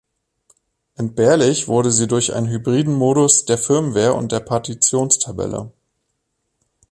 Entbehrlich wurde sie durch einen hybriden Modus der Firmware und der Partitionstabelle.